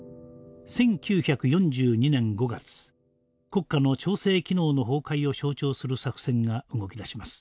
国家の調整機能の崩壊を象徴する作戦が動き出します。